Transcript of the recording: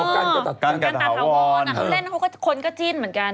กันกับตาเภาวร์นอะเค้าเล่นคนคือคุ้นก็จิ้นเหมือนกัน